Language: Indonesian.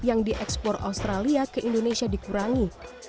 yang diekspor australia ke indonesia dikurangi